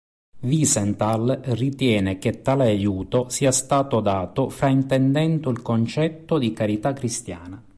Wiesenthal ritiene che tale aiuto sia stato dato fraintendendo il concetto di carità cristiana.